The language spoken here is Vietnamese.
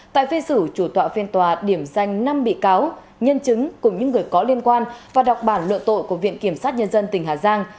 tại phiên xử chủ tọa phiên tòa điểm danh năm bị cáo nhân chứng cùng những người có liên quan và đọc bản luận tội của viện kiểm sát nhân dân tỉnh hà giang